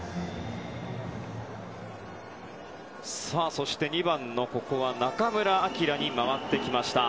そして２番の中村晃に回ってきました。